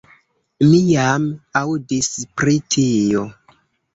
Mi jam aŭdis pri tio.